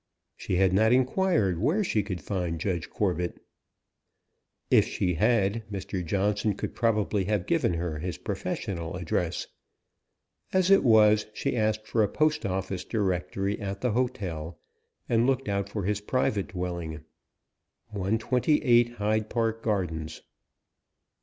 She had not enquired where she could find Judge Corbet; if she had, Mr. Johnson could probably have given her his professional address. As it was, she asked for a Post Office Directory at the hotel, and looked out for his private dwelling 128 Hyde Park Gardens.